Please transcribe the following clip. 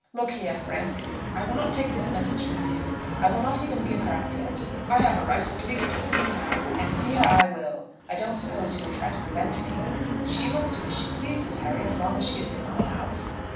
Look here, Frank; I will not take this message from you. I will not even give her up yet. I have a right, at least, to see her, and see her I will. I don't suppose you will try to prevent me?" "She must do as she pleases, Harry, as long as she is in my house."